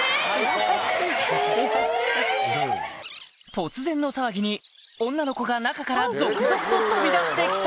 突然の騒ぎに女の子が中から続々と飛び出してきた